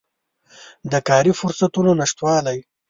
د کاري فرصتونو نشتوالی